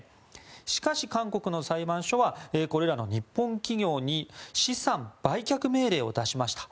しかし、韓国の裁判所はこれらの日本企業に資産売却命令を出しました。